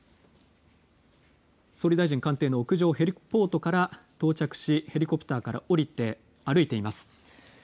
総理大臣官邸の屋上ヘリポートから到着しヘリコプターから降りて歩いています。